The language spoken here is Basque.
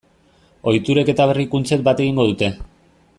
Ohiturek eta berrikuntzek bat egingo dute.